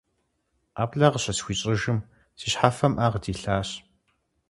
ӀэплӀэ къыщысхуищӀыжым, си щхьэфэм Ӏэ къыдилъащ.